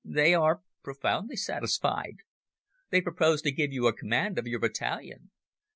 "They are profoundly satisfied. They propose to give you command of your battalion.